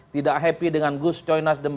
tidak happy dengan gus coinasdem